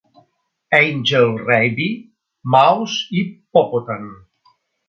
Angel Rabbie, Mouse i Popotan.